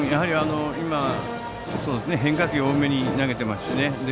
今、変化球を多めに投げていますね。